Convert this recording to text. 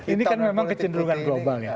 ini kan memang kecenderungan global ya